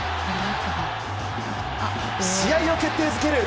試合を決定づける